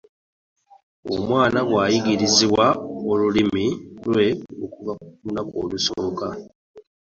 Omwana bw'ayigirizibwa olulimi lwe okuva ku lunaku olusooka.